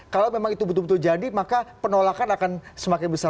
kalau memang itu betul betul jadi maka penolakan akan semakin besar